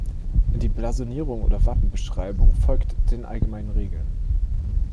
Die Blasonierung oder Wappenbeschreibung folgt den allgemeinen Regeln.